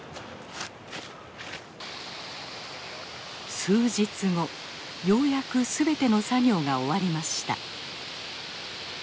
数日後ようやく全ての作業が終わりました。